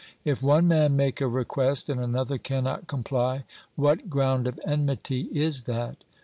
If one man make a request and another cannot comply, what ground of enmity is that